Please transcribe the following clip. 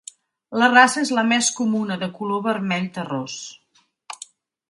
La raça és la més comuna de color vermell terrós.